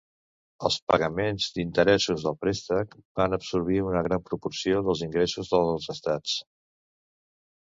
Els pagaments d'interessos del préstec van absorbir una gran proporció dels ingressos dels estats.